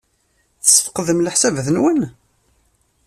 Tesfeqdem leḥsabat-nwen?